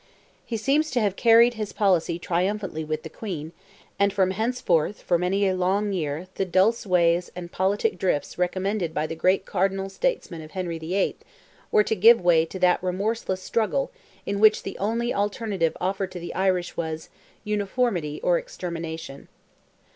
He seems to have carried his policy triumphantly with the Queen, and from henceforth for many a long year "the dulce ways" and "politic drifts" recommended by the great Cardinal Statesman of Henry VIII. were to give way to that remorseless struggle in which the only alternative offered to the Irish was—uniformity or extermination.